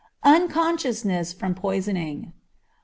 _Unconsciousness from Poisoning.